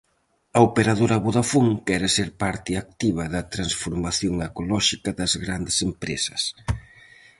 A operadora Vodafone quere ser parte activa da transformación ecolóxica das grandes empresas.